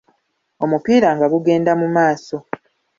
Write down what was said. Omupiira nga gugenda mu maaso.